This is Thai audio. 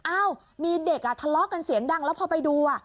อ้าวมีเด็กอ่ะทะเลาะกันเสียงดังแล้วพอไปดู